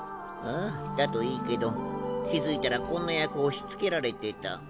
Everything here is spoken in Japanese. ああだといいけど気付いたらこんな役押しつけられてた。